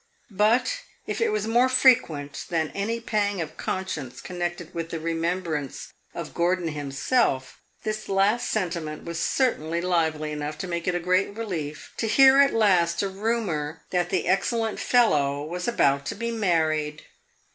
But if it was more frequent than any pang of conscience connected with the remembrance of Gordon himself, this last sentiment was certainly lively enough to make it a great relief to hear at last a rumor that the excellent fellow was about to be married.